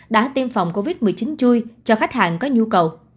đã tiêm phòng covid một mươi chín chui cho khách hàng có nhu cầu